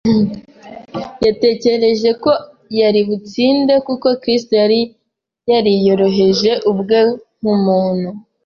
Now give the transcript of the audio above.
Yatekereje ko yari butsinde kuko Kristo yari yariyoroheje ubwe nk’umuntu